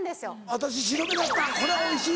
私白目だったこれはおいしい！